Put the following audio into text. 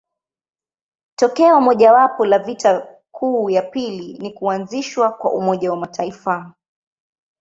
Tokeo mojawapo la vita kuu ya pili ni kuanzishwa kwa Umoja wa Mataifa.